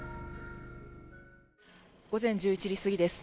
午前１１時過ぎです。